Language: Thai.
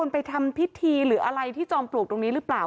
ไปทำพิธีหรืออะไรที่จอมปลวกตรงนี้หรือเปล่า